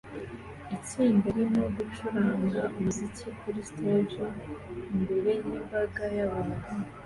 Itsinda ririmo gucuranga umuziki kuri stage imbere yimbaga yabantu